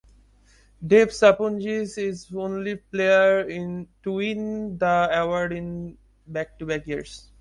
Dave Sapunjis is the only player to win the award in back-to-back years.